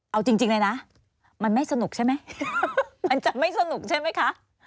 เอาจริงเลยนะมันไม่สนุกใช่ไหมมันจะไม่สนุกใช่ไหมคะ